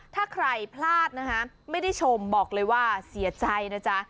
ถ้าใครพลาดนะคะไม่ได้ชมบอกเลยว่าเสียใจนะจ๊ะ